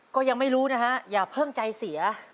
ก็ยังไม่รู้นะฮะอย่าเพิ่งใจเสีย